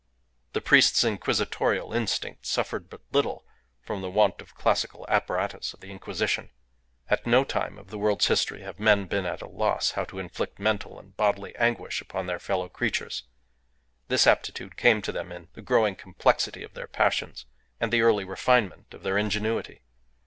The priest's inquisitorial instincts suffered but little from the want of classical apparatus of the Inquisition. At no time of the world's history have men been at a loss how to inflict mental and bodily anguish upon their fellow creatures. This aptitude came to them in the growing complexity of their passions and the early refinement of their ingenuity.